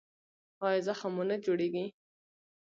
ایا زخم مو نه جوړیږي؟